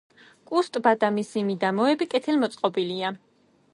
კუს ტბა და მისი მიდამოები კეთილმოწყობილია.